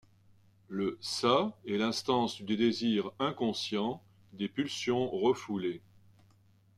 Le ça est l'instance du désir inconscient, des pulsions refoulées.